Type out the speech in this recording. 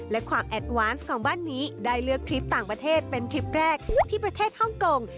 และความแอดวานซ์ของบ้านนี้ได้เลือกคลิปต่างประเทศเป็นคลิปแรกที่ประเทศฮ่องกง